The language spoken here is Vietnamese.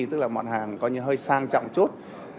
tức là mặt hàng hơi sang trọng chút